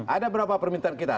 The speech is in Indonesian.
ada beberapa permintaan kita